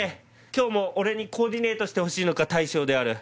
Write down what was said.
今日も俺にコーディネートしてほしいか大将である。